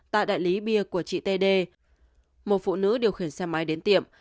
tại đại lý bia của chị t d một phụ nữ điều khiển xe máy đến tiệm